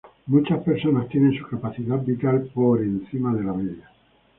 Muchas personas tienen su capacidad vital encima de la media.